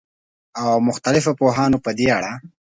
او مختلفو پوهانو په دې اړه